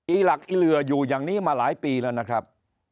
หลักอีเหลืออยู่อย่างนี้มาหลายปีแล้วนะครับ